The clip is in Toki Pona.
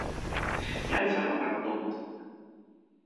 jan San o tawa tomo sina.